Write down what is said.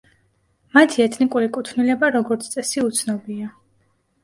მათი ეთნიკური კუთვნილება, როგორც წესი, უცნობია.